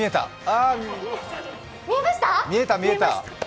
あ、見えた、見えた。